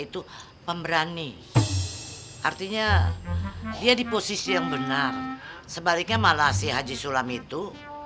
ternyata dia itu